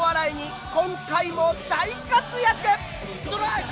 ストライク！